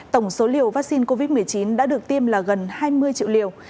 tổng số liều vaccine covid một mươi chín đã được tiêm là gần hai mươi triệu liều